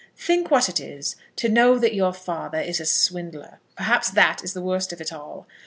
"Think what it is to know that your father is a swindler. Perhaps that is the worst of it all.